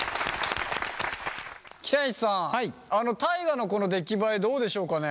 北西さん大我のこの出来栄えどうでしょうかね？